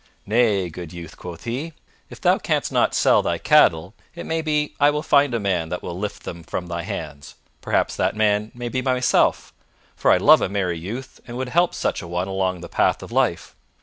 "Nay, good youth," quoth he, "if thou canst not sell thy cattle, it may be I will find a man that will lift them from thy hands; perhaps that man may be myself, for I love a merry youth and would help such a one along the path of life.